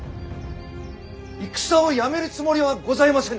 戦をやめるつもりはございませぬ。